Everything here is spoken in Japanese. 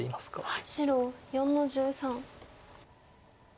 白４の十三。